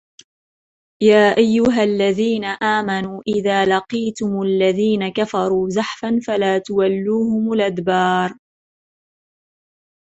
يَا أَيُّهَا الَّذِينَ آمَنُوا إِذَا لَقِيتُمُ الَّذِينَ كَفَرُوا زَحْفًا فَلَا تُوَلُّوهُمُ الْأَدْبَارَ